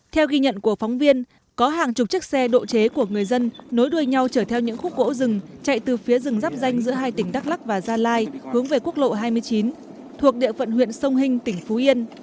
theo ghi nhận của phóng viên có hàng chục chiếc xe độ chế của người dân nối đuôi nhau chở theo những khúc gỗ rừng chạy từ phía rừng rắp danh giữa hai tỉnh đắk lắc và gia lai hướng về quốc lộ hai mươi chín thuộc địa phận huyện sông hinh tỉnh phú yên